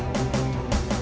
ini harga yang sama